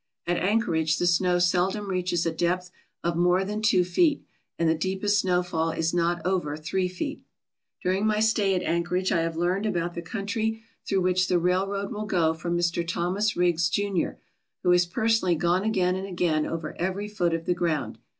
At Anchorage the snow seldom reaches a depth of more than two feet and the deepest snowfall is not over three feet. During my stay at Anchorage I have learned about the country through which the railroad will go from Mr. Thomas Riggs, Jr., who has personally gone again and again over every foot of the ground.